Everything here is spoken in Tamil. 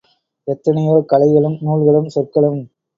எத்துணையோ கலைகளும் நூல்களும் சொற்களும்